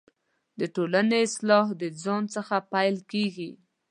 دټولنۍ اصلاح دځان څخه پیل کیږې